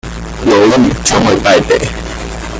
猶豫，就會敗北